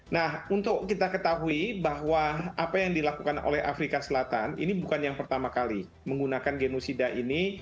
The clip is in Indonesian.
nah untuk kita ketahui bahwa apa yang dilakukan oleh afrika selatan ini bukan yang pertama kali menggunakan genosida ini